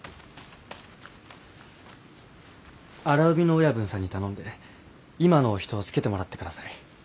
荒海の親分さんに頼んで今のお人をつけてもらってください。